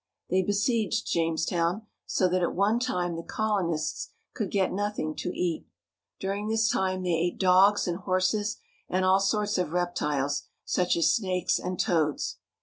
They besieged Jamestown, so that at one time the colonists could get nothing to eat. During this time they ate dogs and horses and all sorts of reptiles, such as snakes and toads.